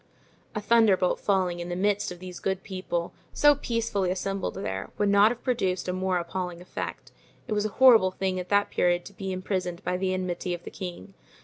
A thunderbolt falling in the midst of these good people, so peacefully assembled there, would not have produced a more appalling effect. It was a horrible thing at that period to be imprisoned by the enmity of the king.